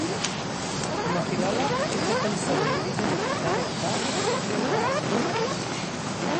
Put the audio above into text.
Com a filòleg, és defensor de l'origen aquità dels bascs i el basc.